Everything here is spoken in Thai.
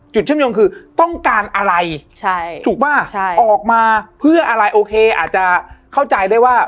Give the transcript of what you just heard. เชื่อมโยงคือต้องการอะไรถูกป่ะออกมาเพื่ออะไรโอเคอาจจะเข้าใจได้ว่า